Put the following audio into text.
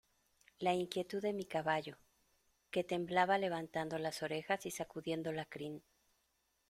la inquietud de mi caballo, que temblaba levantando las orejas y sacudiendo la crin